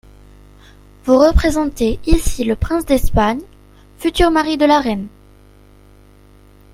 Vous représentez ici le prince d’Espagne, futur mari de La Reine .